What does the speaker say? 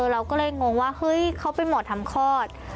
เราก็เลยงงว่าเฮ้ยเขาเป็นหมอทำคลอด